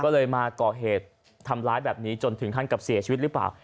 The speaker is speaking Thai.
ก็เลยมาก่อเหตุทำร้ายแบบนี้จนถึงขั้นกับเสียชีวิตหรือเปล่า